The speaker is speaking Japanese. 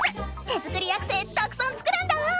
手作りアクセたくさん作るんだぁ！